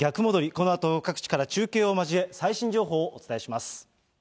このあと各地から中継を交え、最新情報をお伝えします。